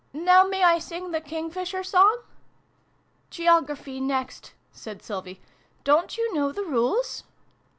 Now may I sing the King fisher Song ?"" Geography next," said Sylvie. " Don't you know the Rules